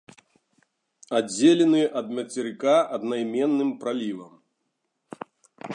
Аддзелены ад мацерыка аднайменным пралівам.